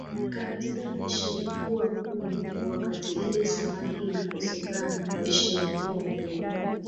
na wakati maisha inakuwa ngumu wakati ile samaki inakosekana maisha inakuwa ngumu